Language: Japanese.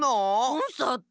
コンサート？